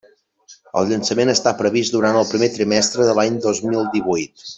El llançament està previst durant el primer trimestre de l'any dos mil divuit.